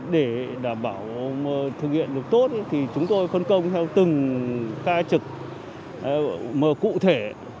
để đảm bảo thực hiện được tốt thì chúng tôi phân công theo từng ca trực cụ thể